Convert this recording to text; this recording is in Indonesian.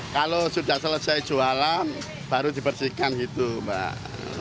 kalau sudah selesai jualan baru dibersihkan itu mbak